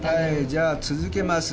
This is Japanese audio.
じゃあ続けます。